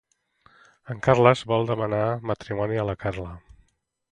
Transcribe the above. En Carles vol demanar matrimoni a la Carla.